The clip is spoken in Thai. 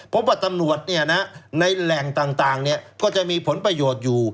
พบว่าตำรวจในแหล่งต่างก็จะมีผลประโยชน์อยู่